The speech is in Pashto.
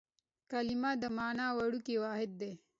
کلیمه د مانا وړوکی واحد دئ.